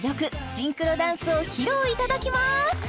シンクロダンスを披露いただきます！